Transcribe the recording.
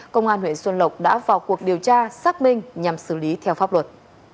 công an huyện xuân lộc đã vào cuộc điều tra xác minh nhằm xử lý theo pháp luật